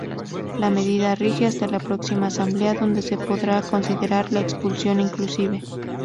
La medida rige hasta la próxima asamblea, donde se podrá considerar la expulsión, inclusive.